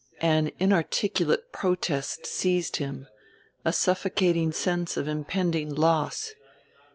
An inarticulate protest seized him, a suffocating sense of impending loss.